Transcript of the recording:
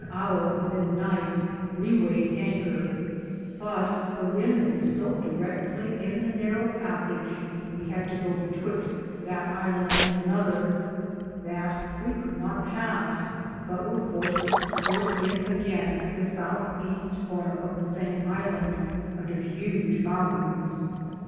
41 hour within nyghte we wayed Anker; but the wynd was so Direcktly in the narrow passage^ we had to go betwyxt that Hand and another,^ that we could not pass, but weare forced to put in againe at the southe easte corner of the same ilande, under hudge mountaine.